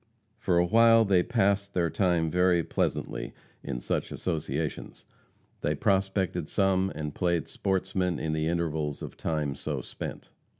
For a while they passed their time very pleasantly in such associations. They prospected some, and played sportsmen in the intervals of time so spent.